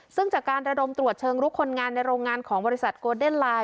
ซึ่งจากการระดมตรวจเชิงลุกคนงานในโรงงานของบริษัทโกเดนไลน์